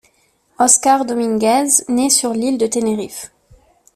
Óscar Domínguez naît sur l'île de Tenerife.